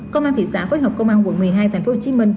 công an thị xã phối hợp công an quận một mươi hai tp hcm